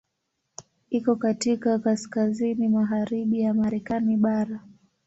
Iko katika kaskazini magharibi ya Marekani bara.